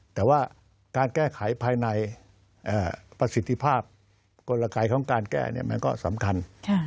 แต่ว่าการแก้ไขภายในประสิทธิภาพกลไกของการแก้มันก็สำคัญ